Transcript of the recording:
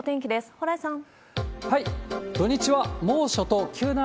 蓬莱さん。